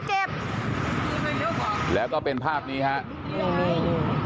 อ่าแล้วก็เป็นภาพนี้ครับ